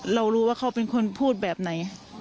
เรารู้ว่าเขาเป็นคนพูดแบบไหน